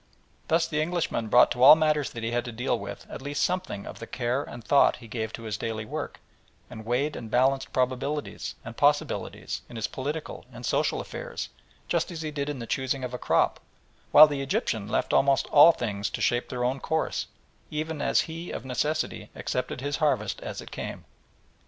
Thus the Englishman brought to all matters that he had to deal with at least something of the care and thought he gave to his daily work, and weighed and balanced probabilities and possibilities in his political and social affairs just as he did in the choosing of a crop, while the Egyptian left almost all things to shape their own course, even as he of necessity accepted his harvest as it came.